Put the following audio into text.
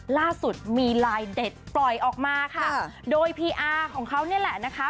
ล่าสุดมีไลน์เด็ดปล่อยออกมาค่ะโดยพีอาร์ของเขานี่แหละนะคะ